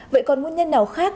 vậy còn nguyên nhân nào khác